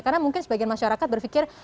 karena mungkin sebagian masyarakat berpikir